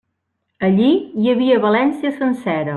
Allí hi havia València sencera.